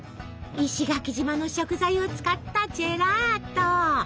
石垣島の食材を使ったジェラート！